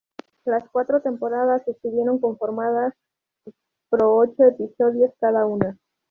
Las cuatro temporadas estuvieron conformadas pro ocho episodios cada una.